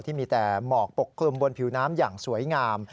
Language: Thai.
ที่มีแต่หมอกปกคลุมบนผิวน้ำอย่างสวยงาม